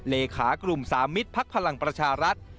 เลขากลุ่มสามมิตรพักพลังประชารัฐ